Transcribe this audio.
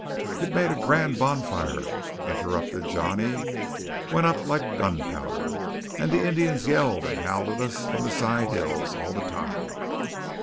"It made a grand bonfire," interrupted Johnny. "Went up like gunpowder. And the Indians yelled and howled at us from the sidehills all the time."